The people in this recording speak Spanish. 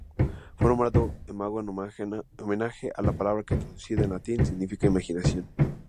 Fue nombrado Imago en homenaje a la palabra que traducida del latín significa "imaginación".